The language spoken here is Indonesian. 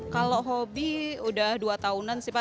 kalau hobi udah dua tahunan sih pak